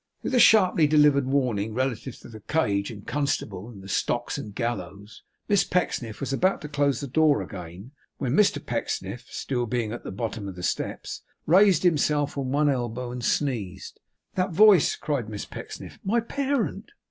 With a sharply delivered warning relative to the cage and the constable, and the stocks and the gallows, Miss Pecksniff was about to close the door again, when Mr Pecksniff (being still at the bottom of the steps) raised himself on one elbow, and sneezed. 'That voice!' cried Miss Pecksniff. 'My parent!